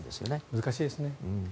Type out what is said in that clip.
難しいですね。